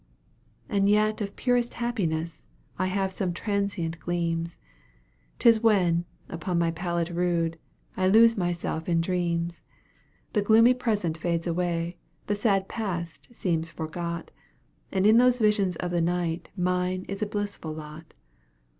And yet of purest happiness I have some transient gleams; 'Tis when, upon my pallet rude, I lose myself in dreams: The gloomy present fades away; the sad past seems forgot; And in those visions of the night mine is a blissful lot.